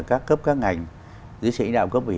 các cấp các ngành giữ sĩ đạo cấp ủy